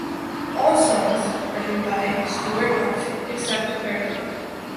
All songs written by Stuart Moxham, except where noted.